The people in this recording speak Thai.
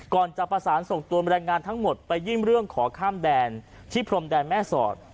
จะประสานส่งตัวแรงงานทั้งหมดไปยื่นเรื่องขอข้ามแดนที่พรมแดนแม่สอด